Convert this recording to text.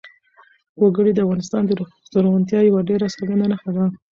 وګړي د افغانستان د زرغونتیا یوه ډېره څرګنده نښه ده.